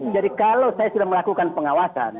jadi kalau saya sudah melakukan pengawasan